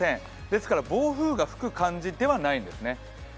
ですから暴風雨が吹く感じではないんですね。